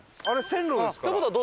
あれ線路ですから。